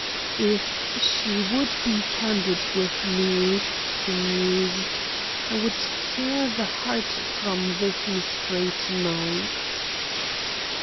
"If she would be candid with me," he mused, "I would tear the heart from this mystery to night."